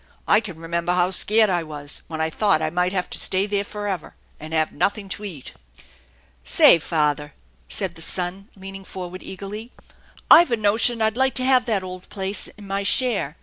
I can remember how scared I was when I thought I might have to stay there forever, and have nothing to eat." " Say, father," said the son, leaning forward eagerly, "Pve a notion I'd like to have that old place in my share.